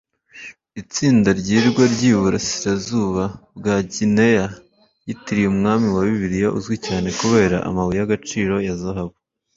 Itsinda ryirwa ryiburasirazuba bwa Gineya ryitiriwe umwami wa Bibiliya uzwi cyane kubera amabuye y'agaciro ya zahabu